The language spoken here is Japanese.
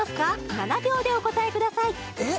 ７秒でお答えくださいえっ